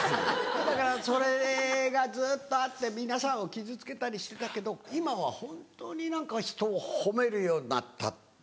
だからそれがずっとあって皆さんを傷つけたりしてたけど今は本当に何か人を褒めるようになったんですよ。